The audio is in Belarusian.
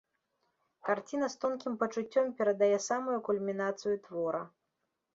Карціна з тонкім пачуццём перадае самую кульмінацыю твора.